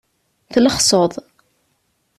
Tlexseḍ.